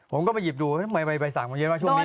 ผมก็ไปหยิบดูใบสั่งมันเยอะมากช่วงนี้